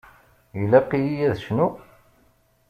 Ilaq-iyi ad cnuɣ?